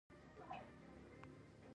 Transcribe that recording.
چې ټول د ميډيکل ډاکټران دي